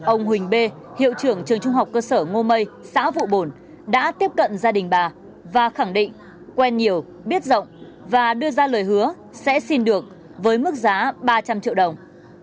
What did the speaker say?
ông huỳnh b hiệu trưởng trường trung học cơ sở ngô mây xã vụ bồn đã tiếp cận gia đình bà và khẳng định quen nhiều biết rộng và đưa ra lời hứa sẽ xin được với mức giá ba trăm linh triệu đồng